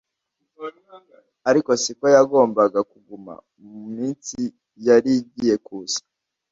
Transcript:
ariko siko yagombaga kuguma mu minsi yari igiye kuza.